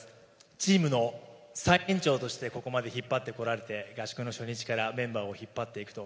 チームの最年長として、ここまで引っ張ってこられて、合宿の初日からメンバーを引っ張っていくと。